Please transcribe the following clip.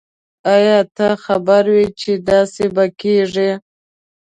آیا ته خبر وی چې داسي به کیږی